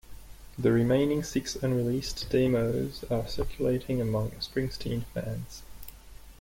The remaining six unreleased demos are circulating among Springsteen fans.